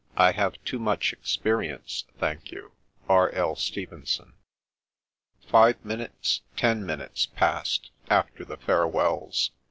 I have too much experience, thank you. — R. L. Stevenson. Five minutes, ten minutes passed, after the fare wells.